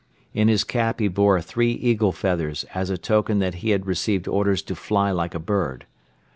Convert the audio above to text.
In his cap he bore three eagle feathers as a token that he had received orders to fly like a bird.